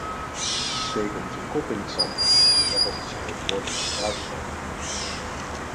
We steken onze kop in het zand, net als de spreekwoordelijke struisvogel.